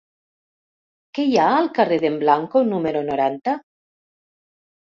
Què hi ha al carrer d'en Blanco número noranta?